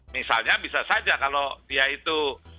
misalnya bisa saja kalau dia itu